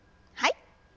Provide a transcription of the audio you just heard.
はい。